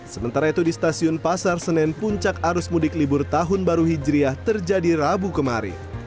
sementara itu di stasiun pasar senen puncak arus mudik libur tahun baru hijriah terjadi rabu kemarin